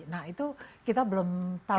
nah itu kita belum tahu